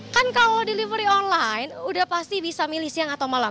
kan kalau delivery online udah pasti bisa milih siang atau malam